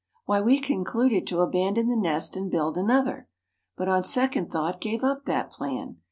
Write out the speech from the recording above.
"Why we concluded to abandon the nest and build another, but on second thought gave up that plan.